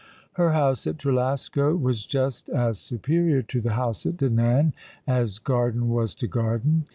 Her house at Trelasco was just as superior to the house at Dinan, as garden was to garden.